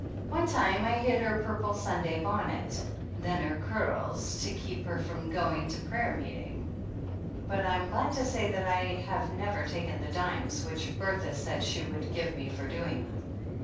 One time I hid her purple Sunday bonnet, then her curls to keep her from going to prayer meeting, but I'm glad to say that I have never taken the dimes which Bertha said she would give me for doing them.